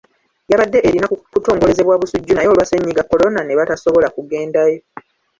Yabadde erina kutongolezebwa Busujju naye olwa ssennyiga Corona ne batasobola kugendayo.